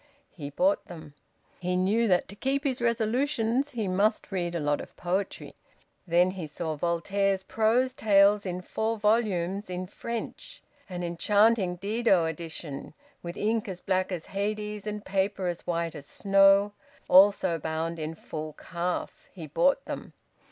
He bought them. He knew that to keep his resolutions he must read a lot of poetry. Then he saw Voltaire's prose tales in four volumes, in French, an enchanting Didot edition, with ink as black as Hades and paper as white as snow; also bound in full calf. He bought them.